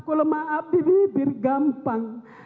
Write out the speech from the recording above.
kalau maaf di bibir gampang